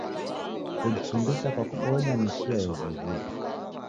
Kujifundisha kwa kubonya, ni chia yezoghua.